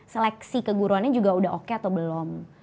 seleksi keguruannya juga udah oke atau belum